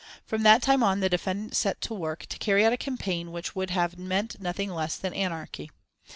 From that time on the defendants set to work to carry out a campaign which would have meant nothing less than anarchy.